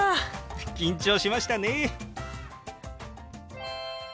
緊張しましたね。